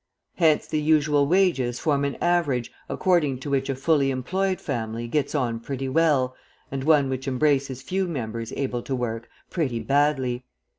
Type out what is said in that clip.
Hence the usual wages form an average according to which a fully employed family gets on pretty well, and one which embraces few members able to work, pretty badly.